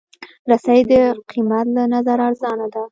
رسۍ د قېمت له نظره ارزانه ده.